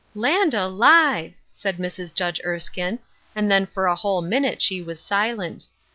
" Land alive !" said Mrs. Judge Erskine, and then for a whole minute she was silent.